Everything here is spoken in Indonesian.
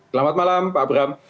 selamat malam pak abram